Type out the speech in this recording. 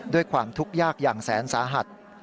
ด้วยความทุกข์ยากอย่างแสนสาหัส